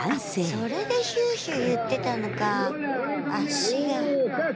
それでヒューヒュー言ってたのか。